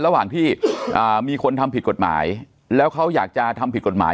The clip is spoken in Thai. ระหว่างที่มีคนทำผิดกฎหมายแล้วเขาอยากจะทำผิดกฎหมาย